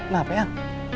nah apa yang